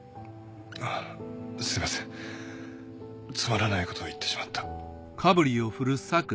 すみませんつまらないことを言ってしまった。